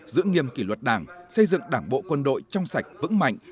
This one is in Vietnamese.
giữ nghiêm kỷ luật đảng xây dựng đảng bộ quân đội trong sạch vững mạnh